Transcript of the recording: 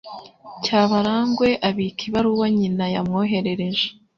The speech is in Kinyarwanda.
Cyabarangwe abika ibaruwa nyina yamwoherereje.